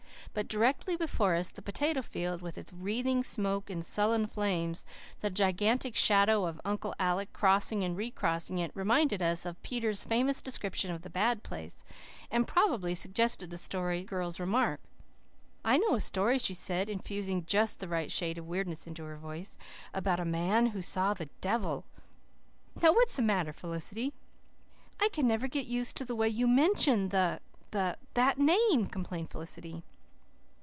But directly before us the potato field, with its wreathing smoke and sullen flames, the gigantic shadow of Uncle Alec crossing and recrossing it, reminded us of Peter's famous description of the bad place, and probably suggested the Story Girl's remark. "I know a story," she said, infusing just the right shade of weirdness into her voice, "about a man who saw the devil. Now, what's the matter, Felicity?" "I can never get used to the way you mention the the that name," complained Felicity.